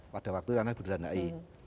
pada waktu dianggap sebagai bundaran hi